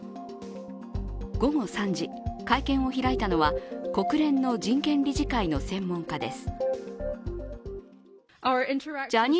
午後３時、会見を開いたのは国連の人権理事会の専門家です。